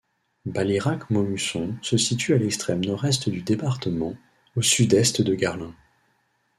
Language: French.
Baliracq-Maumusson se situe à l'extrême nord-est du département, au sud-est de Garlin.